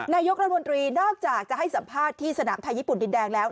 นายกรัฐมนตรีนอกจากจะให้สัมภาษณ์ที่สนามไทยญี่ปุ่นดินแดงแล้ว